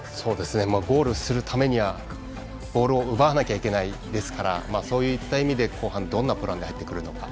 ゴールするためにはボールを奪わなきゃいけないですからそういった意味で後半、どんなプランで入ってくるのか。